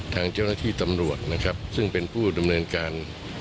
ทางเจ้าหน้าที่ตำรวจนะครับซึ่งเป็นผู้ดำเนินการ